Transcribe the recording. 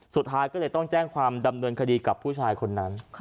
สุดท้ายก็เลยต้องแจ้งความดำเนินคดีกับผู้ชายคนนั้น